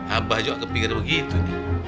abah juga kepikiran begitu nih